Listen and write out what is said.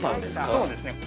そうですね